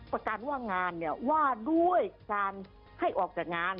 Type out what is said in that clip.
ประกันว่างานเนี่ยว่าด้วยการให้ออกจากงาน